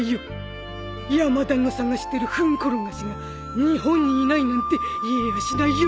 山田の探してるフンコロガシが日本にいないなんて言えやしないよ。